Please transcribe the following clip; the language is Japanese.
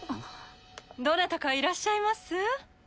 どなたかいらっしゃいます？